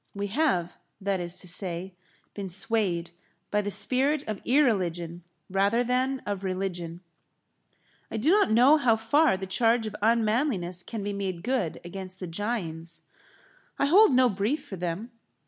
We have, that is to say, been swayed by the spirit of irreligion rather than of religion. I do not know how far the charge of unmanliness can be made good against the Jains. I hold no brief for them.